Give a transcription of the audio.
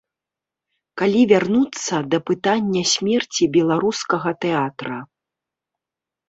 Калі вярнуцца да пытання смерці беларускага тэатра.